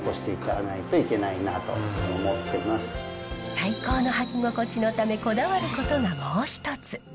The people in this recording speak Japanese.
最高の履き心地のためこだわることがもう一つ。